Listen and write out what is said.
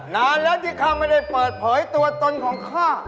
นานแล้วที่ข้าไม่ได้เปิดเผยตัวตนของข้า